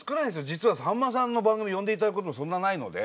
実はさんまさんの番組呼んでいただくこともそんなないので。